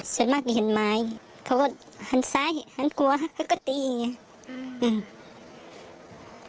ส่วนมากจะเห็นไม้เขาก็หันซ้ายหันกลัวเขาก็ตีอย่างเงี้ยอืม